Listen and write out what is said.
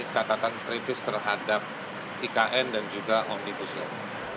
catatan kritis terhadap ikn dan juga omnibus law